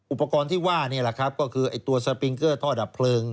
อุปกรณ์ที่ว่านี่ก็คือตัวสปริงเกอร์ท่อดับพลึง